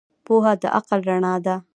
پوهه د عقل رڼا ده.